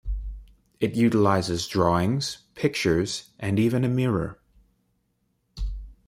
It utilizes drawings, pictures, and even a mirror.